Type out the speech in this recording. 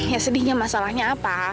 ya sedihnya masalahnya apa